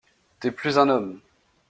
T’es plus un homme !